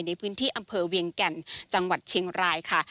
ในพื้นที่อำเภอเวียงแก่นจังหวัดเชียงรายค่ะ